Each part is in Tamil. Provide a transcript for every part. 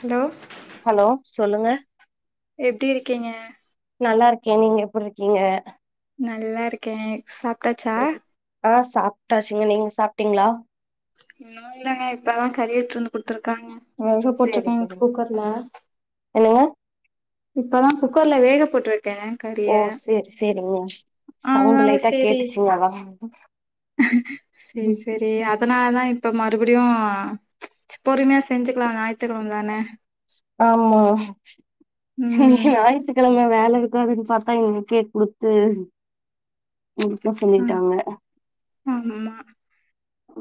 ஹலோ ஹலோ சொல்லுங்க எப்டி இருக்கீங்க? நல்லா இருக்கேன் நீங்க எப்டி இருக்கீங்க? நல்லா இருக்கேன் சாப்ட்டாச்சா சரி. ஆ சாப்ட்டாச்சுங்க நீங்க சாப்ட்டீங்ளா இன்னு இல்லங்க இப்பதா கறி எடுத்துட்டு வந்து குடுத்துருக்காங்க வேக சேரி போட்ருக்கங்க சேரி குக்கர்ல என்னங்க இப்பதா குக்கர்ல வேக போட்ரு க்கே கறி ஓ சேர் சேரிங்க சவுண்டு அதனால லைட்டா சேரி கேட்டுச்சுங்க அதா சேரி சேரி அதனால தா இப் ப்ப மறுபடியு பொறுமையா செஞ்சுக்லா ஞாயித்துக்கெழம தான ஆமா ம் ஞாயித்து கெழம வேல இருக்காதுன் பாத்தா இன்னைக்கே குடுத்து வெக்க ஆ சொல்லிட்டாங்க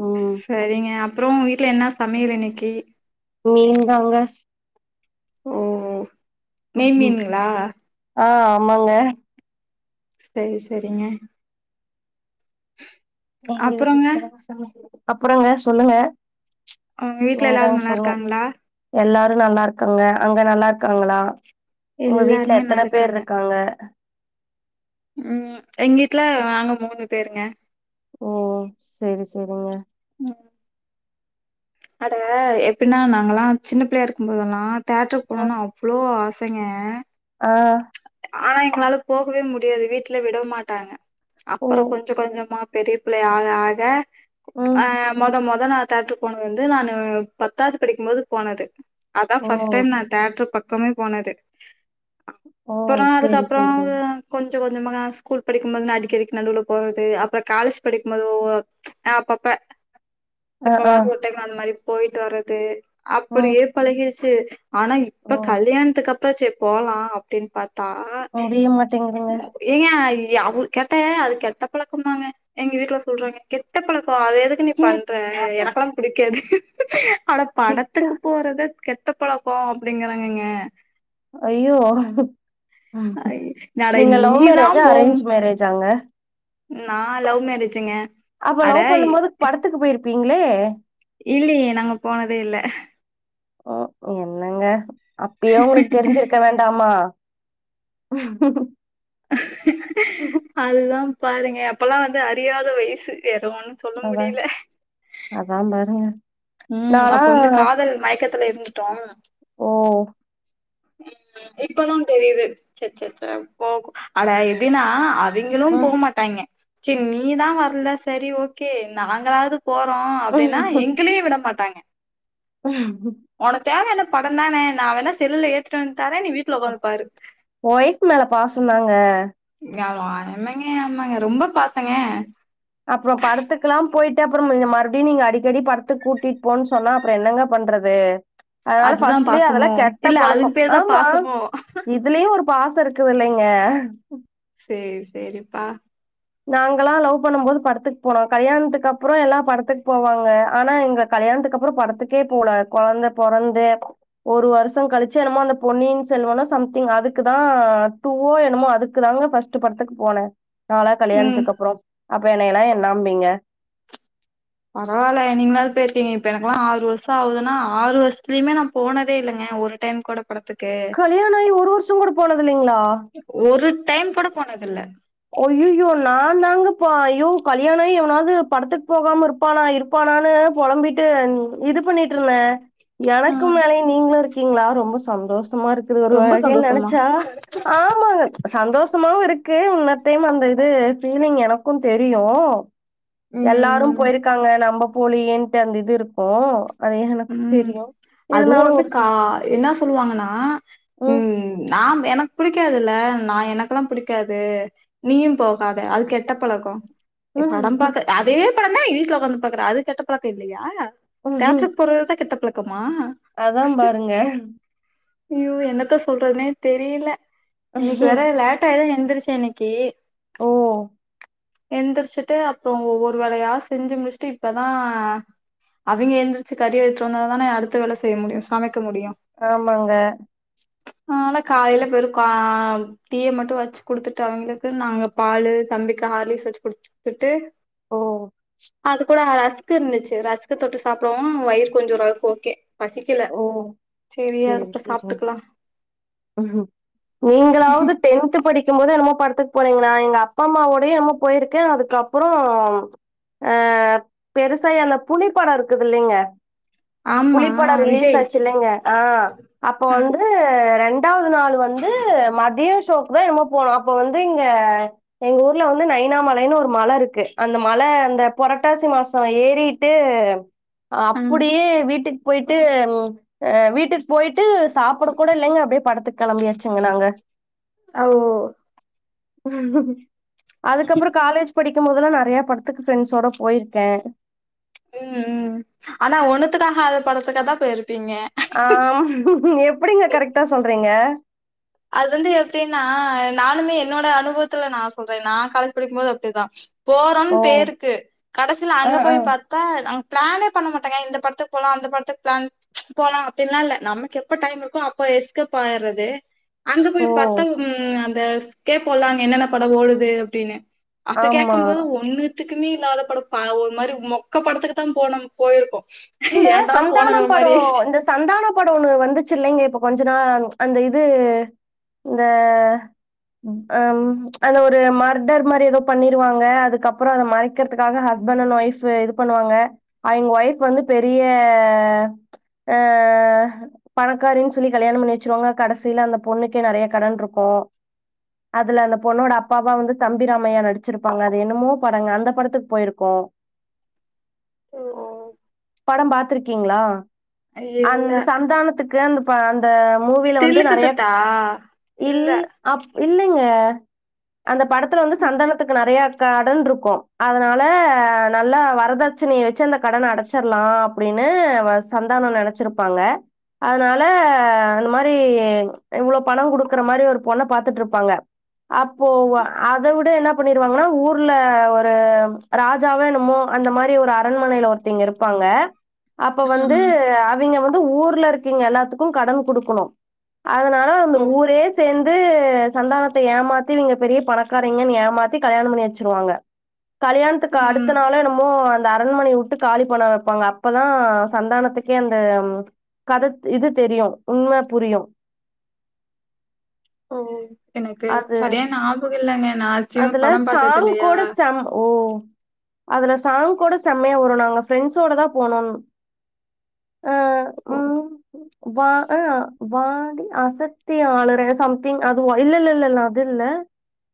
ம் செரிங்க அப்றோ உங்க வீட்ல என்ன சமையல் இன்னிக்கி மீன் தாங்க ஓ நெய் மீனுங்களா ஆ ஆமாங்க செரி செரிங்க அப்றோங்க அப்றங்க சொல்லுங்க உங்க வீட்ல நீங்க எல்லாரு தாங்க நல்லா சொல்ணு இருக்காங்களா எல்லாரு நல்லாருக்காங்க அங்க நல்லாருக்காங்ளா உங்க வீட்ல எல்லாருமே நல்லா எத்தன பேர் இருக்காங்க ம் எங்க வீட்ல நாங்க மூணு பேருங்க ஓ சேரி சேரிங்க ம் அட எப்பின்னா நாங்கலா சின்ன பிள்ளையா இருக்கம்போதுலா தேட்ருக்கு ம் போணுனு அவ் அவ்ளோ ஆசைங்க ஆ ஆனா எங்களால போகவே முடியாது வீட்ல விட மாட்டாங்க ஓ அப்பறோ கொஞ்ச கொஞ்சமா பெரிய பிள்ளை ஆக ஆக ம் ஆ மொத மொத நா தேட்ரு போன வந்து நானு பத்தாது படிக்கும்போது போனது அதா ஓ ஃபஸ்ட் டைம் நா தேட்ரு பக்கமே போனது ஓ அப்பறோ சரி அதுக்கப்றோ சரிங்க கொஞ்ச கொஞ்சமா நா ஸ்கூல் படிக்கும்போது நா அடிக்கடிக்கு நடுவுல போறது அப்றோ காலேஜ் படிக்கும்போது ஓ அப்பப்ப ஆ ஆ [inaudible] அந்த மாரி போயிட்டு வரது ம் அப்டியே பழகிருச்சு ஆனா ஓ இப்ப கல்யாணத்துக்கு அப்றோ சேர் போலா அப்டின் பாத்தா முடிய மாட்டேங்குதுங்க ஏங்க ஏ அவரு கேட்ட அது கெட்ட பழக்கமாங்க எங்க வீட்ல சொல்றாங்க இது கெட்ட பழக்கோ அது எதுக் எதுக்கு நீ பண்ற எட்ட ப எனக்குலா புடிக்காது அட எட்டு படத்துக்கு போறத கெட் ட்ட பழக்கோ அப்டிங்கிறாங்கங்க ஐயோ ஐ, அட நீங்க லவ் நீதா மேரேஜா போம் அரேஞ்ச் மேரேஜாங்க நா லவ் மேரேஜுங்க அப்ப அட லவ் பண்ணும்போது படத்துக்கு பேயிருப்பீங்களே இல்லியே நாங்க போனதே இல்ல ஓ என்னங்க அப்பியே உங்ளுக்கு தெரிஞ்சிருக்க வேண்டாமா அதுதா பாருங்க அப்பல்லா வந்து அறியாத வய்சு எதோ ஒன்னு சொல்ல அதா முடியல அதா பாருங்க ம் நாலா அப்ப வந்து காதல் மயக்கத்துல இருந்துட்டோம் ஓ ம் இப்ப தான் தெரியுது ச்ச ச்ச போக அடா எப்டினா அவங்களும் போ மாட்டாங்க செரி நீதான் வரல செரி ஓகே நாங்களாவது போறோம் அப்டின்னா ம் எங்களையும் விட மாட்டாங்க ஹம் உனக்கு தேவ என்ன படம் தானே நான் வேணா செல்லுல ஏத்திட்டு வந்து தரே நீ வீ ட்ல ஒக்கார்ந்து பாரு ஒய்ஃப் மேல பாசந்தாங்க எமெங்க எமெங்க ரொம்ப பாசங்க அப்புறம் படத்துக்குல்லாம் போயிட்டு அப்புறம் மறுபடியும் அடிக்கடி படத்துக்கு கூட்டிட்டு போன்னு சொன்னா அப்பறம் என்னங்க பண்றது அதனால அதுதா ஃபஸ்ட்லயே பாசமோ அதெல்லாம் கெட்ட இல்ல அதுக்கு பழக்கம் பேருதா ஆமா பாசமோ இது இதுலயும் ஒரு பாசம் இருக்குது இல்லைங்க சேரி சேரிப்பா நாங்களல்லா லவ் பண்ணும் போது படத்துக்கு போனோம் கல்யாணத்துக்கு அப்பறம் எல்லாம் படத்துக்கு போவாங்க ஆனா எங்க கல்யாணத்துக்கு அப்பறம் படத்துக்கே போல கெழந்த பொறந்து ஒரு வருஷம் கழிச்சு என்னமோ அந்த பொன்னின் செல்வனும் சம்திங் அதுக்கு தான் டூவோ என்னுமோ அதுக்கு தாங்க ஃபர்ஸ் ட்டு படத்துக்கு போனே நான்லா ம் கல்யாணத்துக்கு அப்றோ அப்ப என்னல்லாம் என்ணாண்பீங்க பரவாயில்ல நீங்களாவது போயிருக்கீங்க இப்ப எனக்கெல்லாம் ஆறு வர்ஷம் ஆகுதுன்னா ஆறு வருஷத்துலயுமே ந போனதே இல்லங்க ஒரு டைம் கூட படத்துக்கு கல்யாணம் ஆயி ஒரு வருஷம் கூட போனது இல்லைங்களா ஒரு டைம் கூட போனதுல்ல ஐயையோ நான் தாங்க பா அய்யோ கல்யாணம் எவனாவது படத்துக்கு போகாம இருப்ப ப்பானா இருப்பானான்னு பொழம்பிட்டு இது பண்ணிட்டு இருந்தேன் எனக்கும் ம் மேல நீங்களும் இருக்கீங்களா ரொம்ப சந்தோஷமா இருக்கு ஒரு ரொம்ப வகைல சந்தோஷமா நெனச்சா ஆமாங்க சந்தோஷாவும் இருக்கு உன்ன டேம் அந்த இது ஃபீலிங் எனக்கும் தெரியோ எல்லாரும் ம் போயிருக்காங்க நம்ம போலியேன்ட்டு அந்த இது இருக்கு ம் அதுவும் வந்து ஒரு கா சில என்ன சொல்லுவாங்கன்னா ம் நா எனக்கு பிடிக்காதுல்ல நான் எனக்குல்லாம் பிடிக்காது நீயும் போகாத அது கெட்ட பழக்கோ ம் படம் பாக்க அதே படம் தான் வீட்ல வுக்கந்து பாக்குற அது கெட்ட பழக்கம் இல்லையா ம் ம். போறதான் கெட்ட பழக்கமா அதான் பாருங்க அய்யோ என்னத்தா சொல்றதுனே தெரியல இன்னைக்கு பாருங்க வேற லே ட்டா தான் எந்துருச்ச இன்னக்கி ஓ எந்திர்ச்சிட்டு அப்றோ ஒவ்வொரு வேலையா செஞ்சு முடிச்ட்டு இப்பதான் அவிங்க எந்திரிச்சு கறி வெச்ச ஒட்னே தான் அடுத்த வேல செய்ய முடியும் சமைக்க முடியும் ஆமாங்க ஆனல காலையில பேறுகா டீயா மட்டும் வெச்சு குடுத்துட்டு அவங்களுக்கு நாங்க பாலு தம்பி ஹார்லிக்ஸ் வெச்சு குடுத்துகிட்டு ஓ அது கூட ரஸ்க் இருந்துச்சு ரஸ் க் தொட்டு சாப்டுவும் வயிற கொஞ்சம் அளவுக்கு ஓகே பசிக்கல ஓ சேரியா [unintelligible] சாப்ட்டுக்கலா ம் ம் நீங்களாவது டென்த் படிக் க்கும் போது என்னமோ படத்துக்கு போனீங்க நா எங்க அப்பா அம்மாவோட என்னமோ போயிருக்கே அதுக்கப்பறோ ஆ பெருசா எல புலிப்படோ இருக்குது இல்லைங்க ஆமா பட ரிலீஸ் விஜய் ஆச்சு இல்லைங்க ஆ அப்போ ஆ வந்து ரெண் டாவது நாள் வந்து மதியோ ஷோக்கு தா என்னமோ போனோ அப்ப வந்து இங்க எங்க ஊர்ல வந்து நைனாமலைன் ஒரு மல இருக்கு அந்த மல அந்த புரட்டாசி மாசோ ஏறி ட்டு ஆ அப்படியே வீட்டுக் போய்ட்டு வீட்டுக் போய்ட்டு சாப்புட கூட இல்லைங்க அப்படியே படத்துக் கிளம்பியாச்சுங் நாங்க ஆ ஓ அதுக்கப்பறோ காலேஜ் படிக்கும் போதல்லா நிறையா படத்துக் ஃப்ரெண்ட்ஸோட போயிருக்கே ம் ம் ஆனா ஒண்ணுத்துக்காகாத படத்துக்க தா போயிருப்பீங்க ஆம் எப்படிங்க கரெக்ட்டா சொல்றீங்க அது வந்து எப்டின்னா நானுமே என்னோட அனுபவத்துல நா சொல்றேன்னா நா காலேஜ் படிக்கும்போது அப்டிதா போறோன் ஓ பேருக்கு கடைசில ஆ அங்க ஆ போய் பாத் தா நாங் பிளானே பண்ண மாட்டங்க இந்த படத்துக் போலா அந்த படத்துக் பிளான் போலா அப்படின்ல்லா இல்ல நமக் எப்ப டைம் இருக்கோ அப்ப எஸ்கேப் ஆயிரது அங்க ஓ போய் பாத்த ம் அந்த ஸ்கே போலான் என்னென்ன படோ ஓடுதுனு அப்டின்னு அப்ப ஆமா கேக்கம் போது ஒண்ணு த்துக்குமே இல்லாத படம் ஒரு மாரி மொக்க படத்துக்கு தா போன போயிருக்கோ இந்த ஏன்டா சந்தானம் போனோங்கிற படோ மாரி ஆயிடுச்சு இந்த சந்தான படோ ஒன்னு வந்துச்சு இல்லைங்க இப்ப கொஞ்ச நா அந்த இது இந்த அம் அந்த ஒரு மர்டர் மாரி எதோ பண்ணிருவாங்க அதுக்கப்பறோ அது மறைக்கிறதுக்காக ஹஸ்பண்ட் அண்ட் ஒய்ஃப்பு இது பண்ணுவாங்க அவிங் ஒய்ஃப் வந்து பெரிய ஆ பணக்காரின் சொல்லி கல்யாணம் பண்ணி வச்சிருவாங்க கடைசியில அந்த பொண்ணுக் நிறைய கடன் இருக்கு அதுல அந்த பொண்ணோட அப்பாவா வந்து தம்பிரமையா நடிச்சிருப்பாங்க அது என்னமோ படங்க அந்த படத்துக்கு போயிருக்கோ ஓ படம் பாத்துறீக்கீங்ளா அந் இல்ல சந்தானத்துக்கு அந் இப்ப அந்த மூவில வந்து தில்லுக்கு நறைய திட்டா இல் இல்ல அப் இல்லிங்க அந்த படத்துல வந்து சந்தானத்துக்கு நிறையா கடன் இருக்கு அதனால நல்லா வரதட் ச்சனைய வச்சு அந்த கடன அடச்சர்ல்லா அப்டின்னு சந்தானோ நெனச்சுருப்பாங்க அதனால அந்த மாரி இவ்ளோ பணோ குடுக்கற மாரி ஒரு பொண்ண பாத்துட்டு இருப்பாங்க அப்போ அத விட என்ன பண்ணிருவாங்கன்னா ஊர்ல ஒரு ராஜாவோ என்னமோ அந்த மாரி ஒரு அரண்மனையில ஒருத்திங் இருப் பாங்க அப்ப ம், வந்து ம். அவிங்க வந்து ஊர்ல இரு க்கீங்க எல்லாத்துக்கு கடன் குடுக்குணு அதனால அந்த ஓ ஊரே சேந்து சந்தானத்தை ஏமாத்தி இவிங்க பெரிய பணக்காரிங்கன்னு ஏமாத்தி கல்யாணம் பண்ணி வச்சிருவாங்க கல்யாணத்துக்கு அடுத்த ம். நாளோ என்னமோ அந்த அரண்மனை உட்டு காலி பன்ன வெப்பாங்க அப்பதா சந்தானத்துக்கே அந்த கத இது தெரியு உண்ம புரியு ஓ எனக்கு அது சரியா நியாபகோ இல்லைங்க நா ஆச்சியம அதுல படம் பாத்தது சாங் இல்லையா கூட செம் ஓ அதுல சாங் கூட செம்மையா வரு நாங்க ஃப்ரெண்ட்ஸ் ஓட தா போனோம் அ ஓ ம் வா ஆ வாடி அசக்தி ஆளுறே சம்திங் அது இல்ல இல்ல இல்ல இல்ல அது இல்ல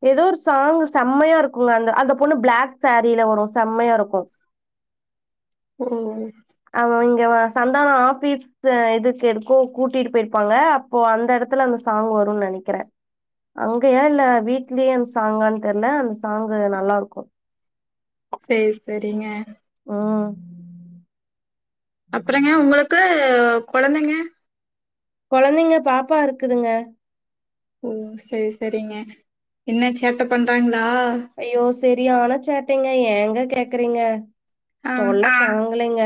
ஏதோ ஒரு சாங் செம்மையா இருக்குங்க அந்த அந்த பொண்ணு பிளாக் சாரீல வரு செம்மையா இருக்கும் ஓ அவ இங்க வ சந்தான ஆஃபீஸ் து இதுக்கு எதுக்கோ கூட்டிட்டு போயிருப்பாங்க அப்போ அந்த எடத்துல அந்த சாங் வருன் நெனக்கிறே அங்கயா இல்ல வீட்லயே அந்த சாங்கான்னு தெரில அந்த சாங்க்கு நல்லா இருக்கு சேரி சேரிங்க ம் அப்பறங்க உங்களுக்கு கொழந்தைங்க கொழந்தைங்க பாப்பா இருக்குதுங்க ஓ சேரி சேரிங்க என்ன சேட்ட பண்றாங்களா ஐயோ சரியான சேட்டேங்க ஏங்க கேக்குறீங்க ஆ. தொல்ல தாங்கலைங்க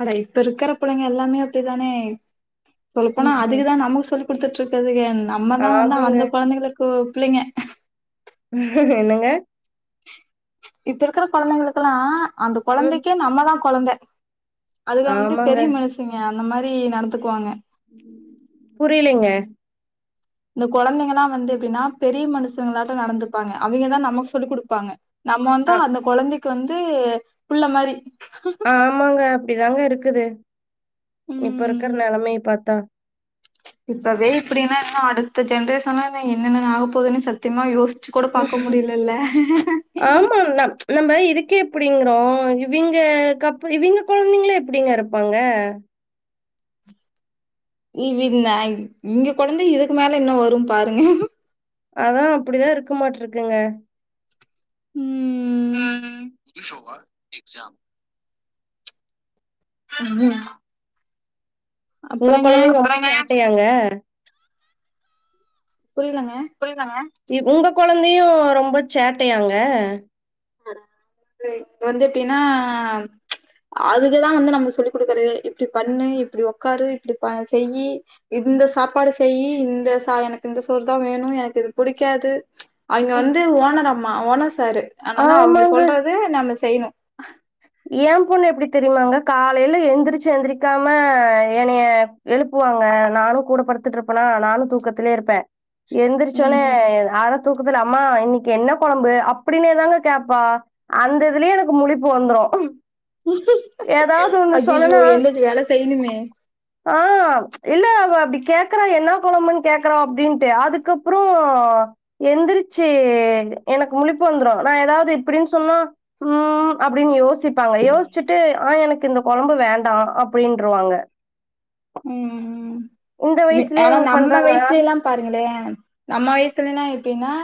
அதானே இப்ப இருக்கிற பிள்ளைங்க எல்லாமே அப்டி தானே சொல்ல போனா ம்ஹும். அதுக தா நமக்கு சொல்லி் குடுத்துட்டு இருக்குதுக நம்மதா வந்து ஆமாங்க. அந்த கொழந்தைகள கோ பிள்ளைங்க என்னங்க இப்ப இருக்கிற கொழந்தைங்களுக்கெல்லா அந்த ம். கொழந்தைக்கே நம்மதா கொழந்த அதுக வந்து ஆமாங்க. பெரிய மனசங்க அந்த மாரி நடத்துக்குவாங்க புரியலிங்க இந்த கொழந்தைங்களா வந்து எப்டின்னா பெரிய மனுஷங்களாட்ட நடந்துப்பாங்க அவிங்கதா நமக்கு சொல்லி் குடுப்பாங்க நம்ம ஆ வந்தா அந்த கொழந்தைக்கு வந்து புள்ள மாரி ஆமாங்க அப்டி தாங்க இருக்குது இப்ப இருக்கிற ம் நெலமைய பாத்தா இப்பவே இப்டினா இன்னு அடுத்த ஜென்ரேஷன்ல என்னென்ன ஆக போகுதுன்னு ச த்தியமா யோசிச்சு கூட பாக்க முடியலல்ல ம் நம் நம்ப இதுக்கே இப்டிங்குறோ இவிங்க கப் இவிங்க கொழந்தைங்கள எப்டிங்க இருப் பாங்க இ வி நாயின் இங்க கொழந்தை இதுக்கு மேல இன்னு வரு பாருங்க அதா அப்டிதா இருக்குமாட்ருக்குங்க ம் ம் ம்ஹும் உங்க அப்றங்க கொழந்த ரொம்ப சேட்டையாங்க புரியலங்க புரியலங்க இ உங்க கொழந்தையு ரொம்ப சேட்டையாங்க ம் வந்து எப்டினா அதுக்குதா வந்து நம்ம சொல்லி் குடுக்குற இப்டி பண்ணு இப்டி ஒக்காரு இப்டி ப செய்யி இந்த சாப்பாடு செய்யி இந்த சா எனக்கு இந்த சோறு தா வேணு எனக்கு இது புடிக்காது அவிங்க ம். வந்து ஓனர் அம்மா ஓனர் சாரு அனால அவிங்க ஆமாங்க. சொல்றது நம்ம செய்ணு ஏன் பொண்ணு எப்டி தெரியுமாங்க காலைல எந்திரிச்சு எந்திரிக்காம என்னைய எழுப்புவாங்க நானு கூடப்படுத்தட்டு இருப்பேனா நானு தூக்கத்திலயே இருப்பே எந்திரிச்ச ஒட்னே அர தூக்கதுல அம்மா இன்னைக்கு என்ன கொழம்பு அப்டினு ஏ தாங்க கேப்பா அந்த இதுலயே எனக்கு முழிப்பு வந்துரு ஏதாவது ஒன்னு ஐயையோ சொன்னனா எந்திரிச்சு வேல செய்யணுமே ஆ இல்ல அவ அப்படி கேக்குறா என்ன கொழம்புன்னு கேக்குறா அப்படின்ட்டு அதுக்கப்புறோ எந்திரிச்சு எனக்கு முழிப்பு வந்துரு நா எதாவது இப்டின்னு சொன்னா ம் அப்டின்னு யோசி ப்பாங்க யோசிச்சுட்டு ஆ எனக்கு இந்த கொழம்பு வேண்டா அப்டின்றுவாங்க ம் இந்த வயசுலயே ஆனா இங்க நம்ம பண்றாங்களா வயசுலைலா பாருங்களே நம்ம வயசுலனா எப்டின்னா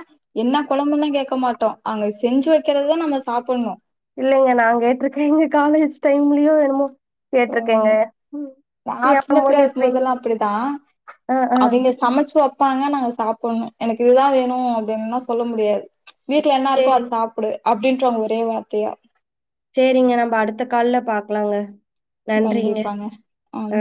என்ன கொழம்புன்னே கேக்க மாட்டோ அவுங்க செஞ்சு வைக்கிறதுதா நம்ம சாப்பிடணு இல்லைங்க நா கேட்டிருக்கேங்க காலேஜ் டைம்லயோ என்னமோ கேட்ருக்கேங்க நா சின்ன என் பிள்ளையா பொண்ணு இருக்கு இப்பயே போதெல்லா அப்படிதா ஆ ஆ அவங்க சமைச்சு வப் பாங்க நாங்க சாப்பிடணு எனக்கு இதுதா வேணு அப்டின்னுலா சொல்ல முடியாது வீட்ல என்னாருக்கோ அது சேரிங் சாப்புடு அப்டின்றுவாங்க ஒரே வார்த்தையா சேரிங்க நம்ம அடுத்த கால்ல பாக்கலாங்க நன்றிங்க கண்டிப்பாங்க ஆமா ஆ